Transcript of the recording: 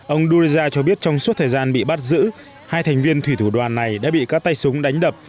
ông duza cho biết trong suốt thời gian bị bắt giữ hai thành viên thủy thủ đoàn này đã bị các tay súng đánh đập